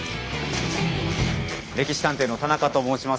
「歴史探偵」の田中と申します。